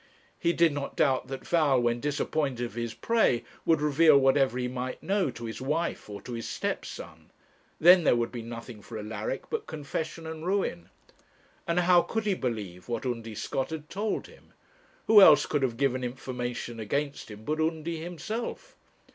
He did not doubt that Val, when disappointed of his prey, would reveal whatever he might know to his wife, or to his stepson. Then there would be nothing for Alaric but confession and ruin. And how could he believe what Undy Scott had told him? Who else could have given information against him but Undy himself?